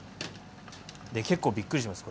で結構びっくりします。